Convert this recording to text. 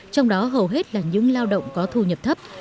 trong đó hầu hết là những lao động có thu nhập thấp